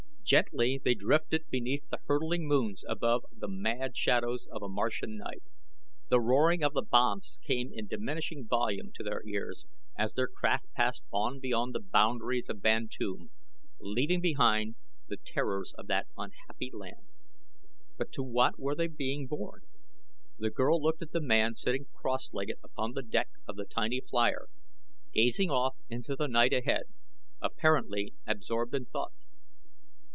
Gently they drifted beneath the hurtling moons above the mad shadows of a Martian night. The roaring of the banths came in diminishing volume to their ears as their craft passed on beyond the boundaries of Bantoom, leaving behind the terrors of that unhappy land. But to what were they being borne? The girl looked at the man sitting cross legged upon the deck of the tiny flier, gazing off into the night ahead, apparently absorbed in thought.